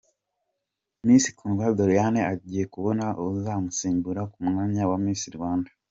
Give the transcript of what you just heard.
Miss Kundwa Doriane agiye kubona uzamusimbura ku mwanya wa Miss Rwanda.